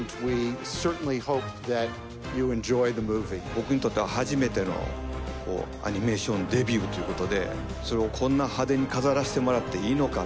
僕にとっては初めてのアニメーションデビューということでそれをこんな派手に飾らせてもらっていいのかって。